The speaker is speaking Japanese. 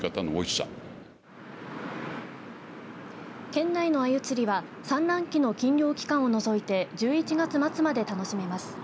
県内の、あゆ釣りは産卵期の禁漁期間を除いて１１月末まで楽しめます。